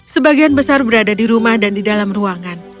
sebagian besar berada di rumah dan di dalam ruangan